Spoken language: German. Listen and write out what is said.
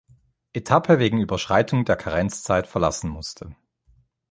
Etappe wegen Überschreitung der Karenzzeit verlassen musste.